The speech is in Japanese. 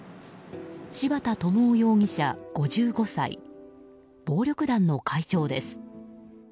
柴田智生容疑者、５５歳暴力団の会長です。